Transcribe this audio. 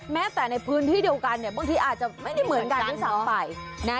แม้แต่ในพื้นที่เดียวกันเนี่ยบางทีอาจจะไม่เหมือนกันที่สักฝ่าย